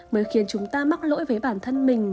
mới khiến chúng ta mắc lỗi với bản thân mình